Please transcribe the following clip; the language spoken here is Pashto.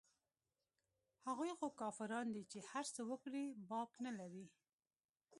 هغوى خو کافران دي چې هرڅه وکړي باک نه لري.